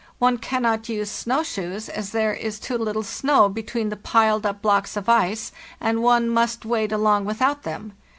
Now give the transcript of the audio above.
One cannot use snow shoes, as there is too little snow between the piled up blocks of ice, and one must wade along without them.